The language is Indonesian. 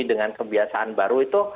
dengan kebiasaan baru itu